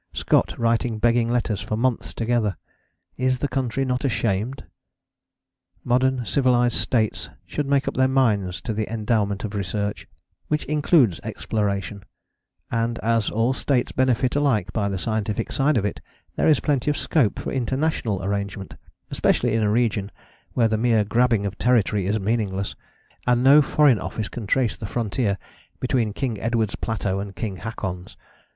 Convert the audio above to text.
Scott writing begging letters for months together! Is the country not ashamed? Modern civilized States should make up their minds to the endowment of research, which includes exploration; and as all States benefit alike by the scientific side of it there is plenty of scope for international arrangement, especially in a region where the mere grabbing of territory is meaningless, and no Foreign Office can trace the frontier between King Edward's Plateau and King Haakon's.